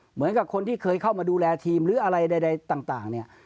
เหมือนกับคนที่เคยเข้ามาดูแลทีมหรืออะไรใดต่างเนี่ย